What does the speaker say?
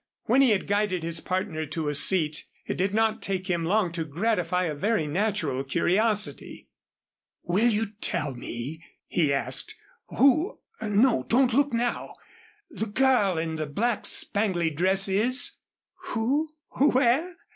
When he had guided his partner to a seat, it did not take him long to gratify a very natural curiosity. "Will you tell me," he asked, "who no, don't look now the girl in the black spangly dress is?" "Who? Where?"